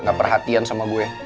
gak perhatian sama gue